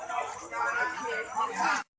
กรกรดเย็น